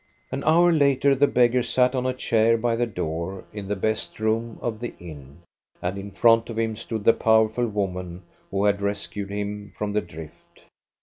An hour later the beggar sat on a chair by the door in the best room of the inn, and in front of him stood the powerful woman who had rescued him from the drift.